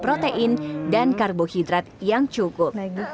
protein dan karbohidrat yang cukup